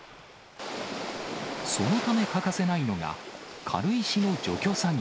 そのため欠かせないのが、軽石の除去作業。